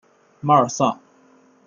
马尔萨。